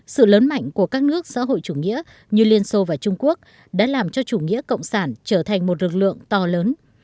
sự lớn mạnh của các nước xã hội chủ nghĩa như liên xô và trung quốc đã làm cho chủ nghĩa cộng sản trở thành một lực lượng to lớn